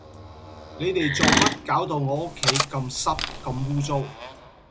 你哋做乜搞到我屋企咁濕咁污糟